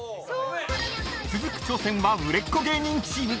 ［続く挑戦は売れっ子芸人チーム］